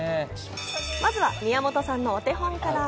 まずは宮本さんのお手本から。